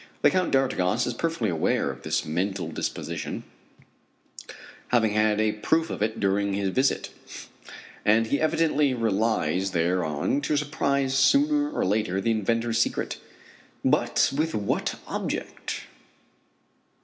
The Count d'Artigas is perfectly aware of this mental disposition, having had a proof of it during his visit, and he evidently relies thereon to surprise sooner or later the inventor's secret. But with what object?